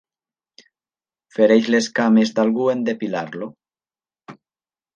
Fereix les cames d'algú en depilar-lo.